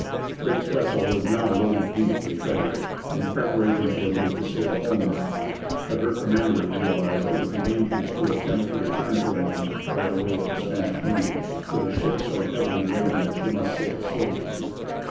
Drake's vessel was now loaded deep with treasure, and preparations were made to sail homeward, but her commander realized that it would be dangerous to attempt to return to England by way of the Spanish Main with a ship so heavily laden that she must sail slowly.